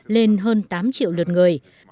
lên hơn tám triệu lượt người